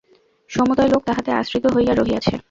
সমুদয় লোক তাঁহাতে আশ্রিত হইয়া রহিয়াছে।